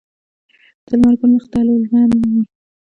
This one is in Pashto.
د لمر ګل مخ لمر ته وي